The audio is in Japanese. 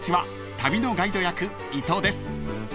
旅のガイド役伊藤です］